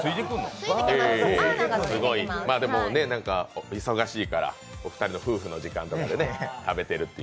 でも忙しいからお二人の夫婦の時間に食べてるっていう。